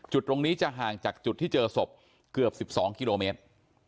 จุดตรงนี้จะห่างจากจุดที่เจอศพเกือบ๑๒กิโลเมตร